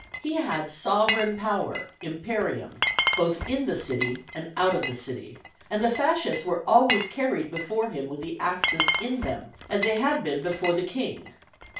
He had sovereign power (Imperium) both in the city and out of the city, and the fasces were always carried before him with the axes in them, as they had been before the king.